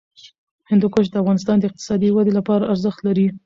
هندوکش د افغانستان د اقتصادي ودې لپاره ارزښت لري.